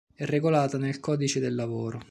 È regolata nel Codice del lavoro.